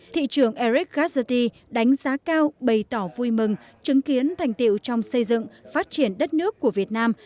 thị trường eric garderti đánh giá cao bày tỏ vui mừng chứng kiến thành tiệu trong xây dựng phát triển đất nước của việt nam